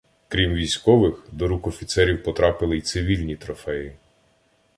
Крім військових, до рук офіцерів потрапили й «цивільні» трофеї.